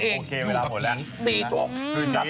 โอเคเวลาหมดแล้ว